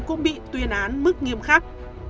cũng bị tuyên án mức nghiêm khắc